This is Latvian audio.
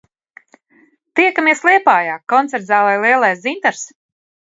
"Tiekamies Liepājā, koncertzālē “Lielais dzintars”!"